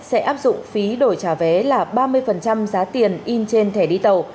sẽ áp dụng phí đổi trả vé là ba mươi giá tiền in trên thẻ đi tàu